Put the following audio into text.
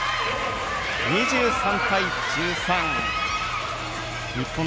２３対１３。